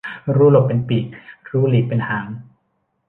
รู้หลบเป็นปีก รู้หลีกเป็นหาง